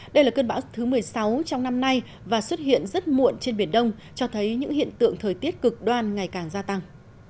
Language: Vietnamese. đây là cơn bão thứ một mươi sáu trong năm nay và xuất hiện rất muộn trên biển đông cho thấy những hiện tượng thời tiết cực đoan ngày càng gia tăng